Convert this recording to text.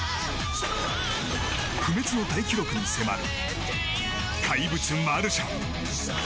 不滅のタイ記録に迫る怪物、マルシャン。